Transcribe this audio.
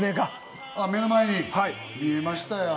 目の前に見えましたよ。